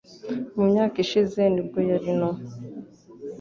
mu myaka ishize nibwo yari no